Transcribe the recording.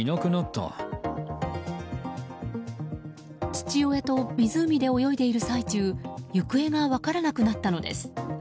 父親と湖で泳いでいる最中行方が分からなくなったのです。